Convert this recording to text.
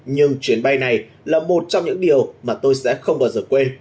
nhưng chuyến bay này là một trong những điều mà tôi sẽ không bao giờ quê